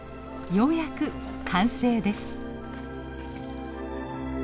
ようやく完成です。